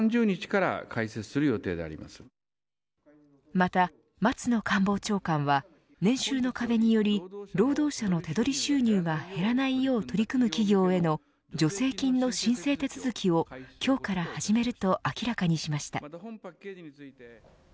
また、松野官房長官は年収の壁により、労働者の手取り収入が減らないよう取り組む企業への助成金の申請手続きを今日から始めると明らかにしました。